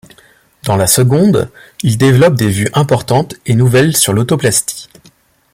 Dans la seconde, il développe des vues importantes et nouvelles sur l'autoplastie.